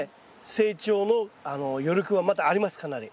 成長の余力はまだありますかなり。